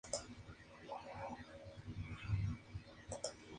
En el Conservatorio se graduó como profesor de composición.